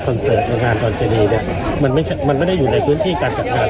เสิร์ตโรงงานดอนเจดีเนี่ยมันไม่ใช่มันไม่ได้อยู่ในพื้นที่การจัดงาน